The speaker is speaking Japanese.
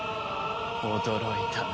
驚いたな。